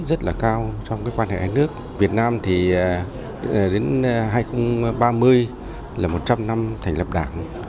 rất là cao trong cái quan hệ hai nước việt nam thì đến hai nghìn ba mươi là một trăm linh năm thành lập đảng